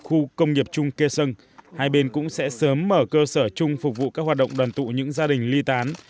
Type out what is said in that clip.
khu công nghiệp chung kê sơn hai bên cũng sẽ sớm mở cơ sở chung phục vụ các hoạt động đoàn tụ những gia đình ly tán